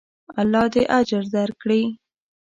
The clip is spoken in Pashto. الله دې اجر درکړي.